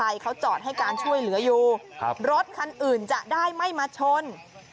ใครเขาจอดให้การช่วยเหลืออยู่ครับรถคันอื่นจะได้ไม่มาชน